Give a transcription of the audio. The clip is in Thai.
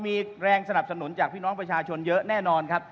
มีแรงสนับสนุนจากพี่น้องประชาชนเยอะแน่นอนครับ